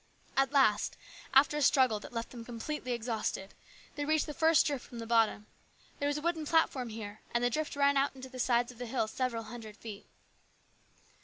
At last, after a struggle that left them completely exhausted, they reached the first drift from the bottom. There was a wooden platform here, and the drift ran out into the sides of the hill several hundred feet.